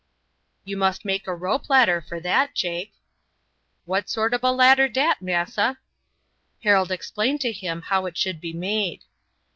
"You must make a rope ladder for that, Jake." "What sort ob a ladder dat, massa?" Harold explained to him how it should be made.